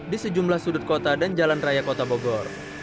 di sejumlah sudut kota dan jalan raya kota bogor